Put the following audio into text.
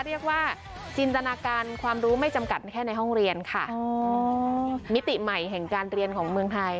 เรียกว่าจินตนาการความรู้ไม่จำกัดแค่ในห้องเรียนค่ะมิติใหม่แห่งการเรียนของเมืองไทย